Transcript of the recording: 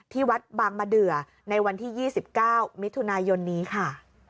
ที่วัดบางมะเดือในวันที่๒๙มิถุนายนนี้ค่ะ